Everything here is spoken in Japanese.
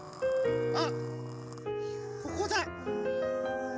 あっここだ。